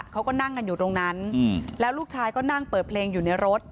เขาก็นั่งกันอยู่ตรงนั้นแล้วลูกชายก็นั่งเปิดเพลงอยู่ในรถ